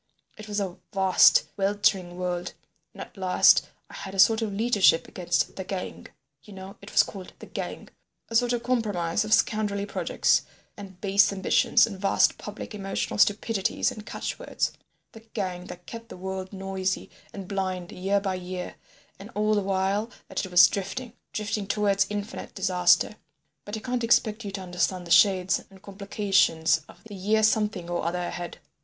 It was a vast weltering world, and at last I had a sort of leadership against the Gang—you know it was called the Gang—a sort of compromise of scoundrelly projects and base ambitions and vast public emotional stupidities and catch words—the Gang that kept the world noisy and blind year by year, and all the while that it was drifting, drifting towards infinite disaster. But I can't expect you to understand the shades and complications of the year—the year something or other ahead.